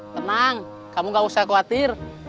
tenang kamu gak usah khawatir